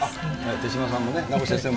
手嶋さんも、名越先生も。